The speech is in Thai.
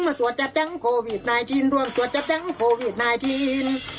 มาสวดจัดจังโควิดไนทีนรวมสวดจัดจังโควิดไนทีน